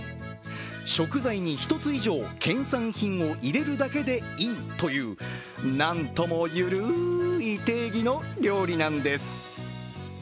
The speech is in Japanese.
食材に１つ以上、県産品を入れるだけでいいというなんともゆるい定義の料理なんです。